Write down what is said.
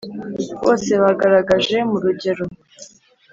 Bose bagaragaje mu rugero